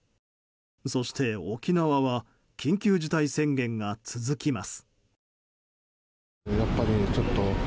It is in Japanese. そして沖縄は緊急事態宣言が続きます。